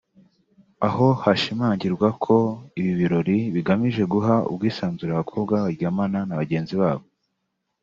aho hashimangirwaga ko ibi birori bigamije guha ubwisanzure abakobwa baryamana na bagenzi babo